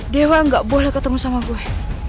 dewa gak boleh ketemu sama gue